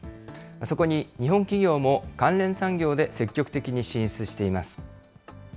そこに日本企業も関連産業で積極的に進出しています。